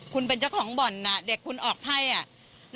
คุณเป็นเจ้าของบ่อนเด็กคุณออกไพ่ออ่ะ